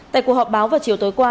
tại cuộc họp báo vào chiều tối qua